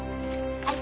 はい！